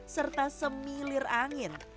serta semilir angin